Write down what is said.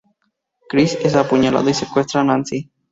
Chris es apuñalado y secuestra a Nancy.